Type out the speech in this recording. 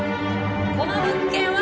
この物件は。